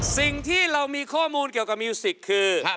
สิ่งที่เรามีข้อมูลเกี่ยวกับมิวสิกคือ